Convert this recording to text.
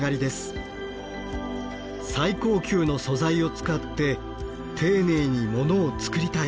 最高級の素材を使って丁寧にモノを作りたい。